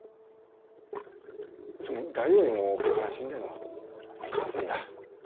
それに誰よりも悲しんでんのは母さんだ。